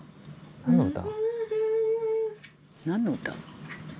何の歌？